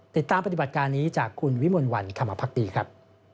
ติดตามปฏิบัติการนี้จากคุณวิมลวันธรรมพักดีครับ